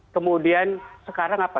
kemudian sekarang apa